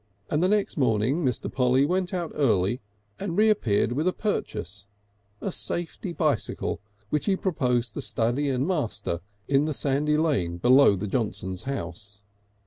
And the next morning Mr. Polly went out early and reappeared with a purchase, a safety bicycle, which he proposed to study and master in the sandy lane below the Johnsons' house.